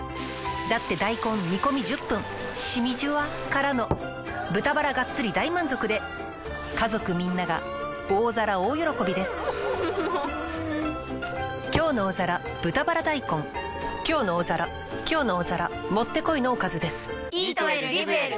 だって大根煮込み１０分しみじゅわからの豚バラがっつり大満足で家族みんなが大皿大喜びです「きょうの大皿」「きょうの大皿」もってこいのおかずです。